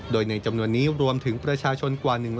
โดยในจำนวนนี้รวมถึงประชาชนกว่า